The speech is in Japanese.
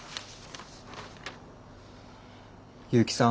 結城さん